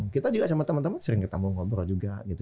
kita juga sama teman teman sering ketemu ngobrol juga gitu